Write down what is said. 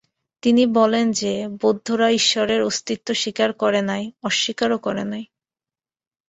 তিনি বলেন যে, বৌদ্ধেরা ঈশ্বরের অস্তিত্ব স্বীকার করে নাই, অস্বীকারও করে নাই।